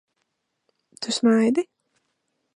Tu smaidi?